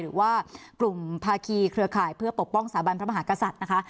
หรือว่ากลุ่มภาคีเครือข่ายเพื่อปกป้องสถาบันพระมหากษัตริย์นะคะ